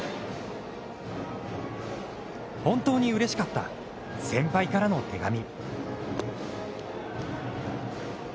本当にうれしかった先輩からの手紙。